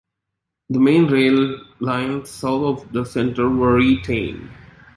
The main rail lines south of the Centre were retained.